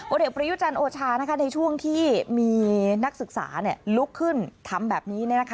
เด็กประยุจันทร์โอชาในช่วงที่มีนักศึกษาลุกขึ้นทำแบบนี้